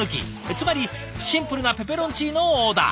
つまりシンプルなペペロンチーノをオーダー。